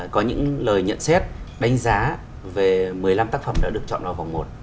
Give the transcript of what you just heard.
có những lời nhận xét đánh giá về một mươi năm tác phẩm đã được chọn vào vòng một